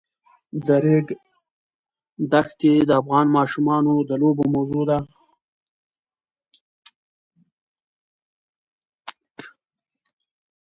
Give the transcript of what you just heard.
د ریګ دښتې د افغان ماشومانو د لوبو موضوع ده.